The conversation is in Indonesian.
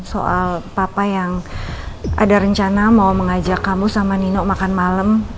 soal papa yang ada rencana mau mengajak kamu sama nino makan malam